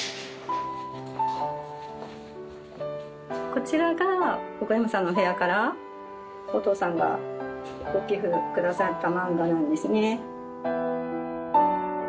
こちらが奥山さんの部屋からお父さんがご寄付下さったマンガなんですね。